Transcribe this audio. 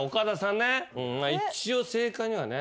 一応正解にはね。